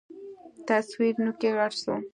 تصوير نوکى غټ سو.